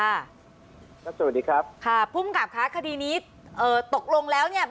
สวัสดีครับค่ะภูมิกับค่ะคดีนี้เอ่อตกลงแล้วเนี่ย